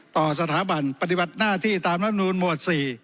ต่อสถาบันปฏิบัติหน้าที่ตามรัฐมนูลหมวด๔